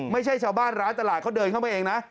ไม่ใช่ชาวบ้านร้านตลาดเขาเดินเข้ามาเองนะ